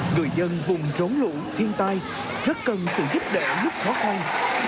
người dân vùng rốn lũ thiên tai rất cần sự thích đệ lúc khó khăn